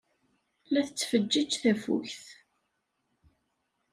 La tettfejjij tafukt.